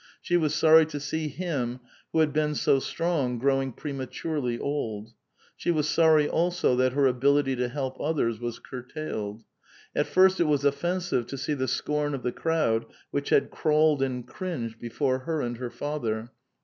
She was sorry to see him who had been so strong growing prematurely old ; she was sorry also that her ability to help others was curtailed. At fii st it was offensive to see the scorn of the crowd which had crawled and cringed before her and her father.